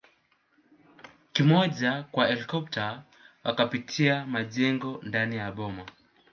kimoja kwa helikopta wakapitia majengo ndani ya boma